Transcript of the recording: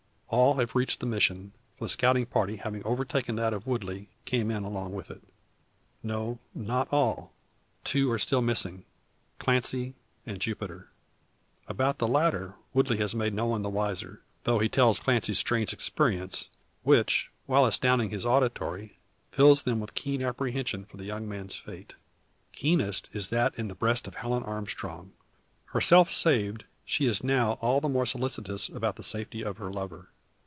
All have reached the Mission; for the scouting party having overtaken that of Woodley, came in along with it. No, not all, two are still missing Clancy and Jupiter. About the latter Woodley has made no one the wiser; though he tells Clancy's strange experience, which, while astounding his auditory, fills them with keen apprehension for the young man's fate. Keenest is that in the breast of Helen Armstrong. Herself saved, she is now all the more solicitous about the safety of her lover.